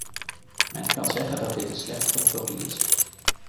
Men kan zeggen dat dit een slecht compromis is.